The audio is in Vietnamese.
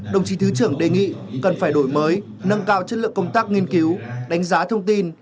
đồng chí thứ trưởng đề nghị cần phải đổi mới nâng cao chất lượng công tác nghiên cứu đánh giá thông tin